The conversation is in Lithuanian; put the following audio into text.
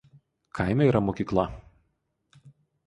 Kaime yra mokykla.